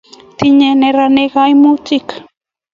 tinyei neranik kaimutik